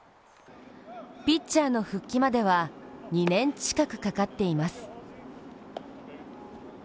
ピッチャーの復帰までは２年近くかかっています。